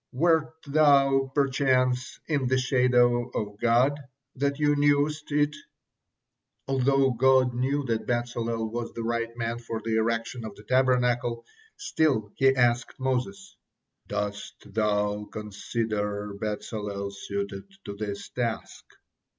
Wert thou, perchance, 'in the shadow of God,' that thou knewest it?" Although God knew that Bezalel was the right man for the erection of the Tabernacle, still He asked Moses, "Dost thou consider Bezalel suited to this task?"